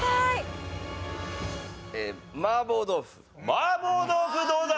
麻婆豆腐どうだ？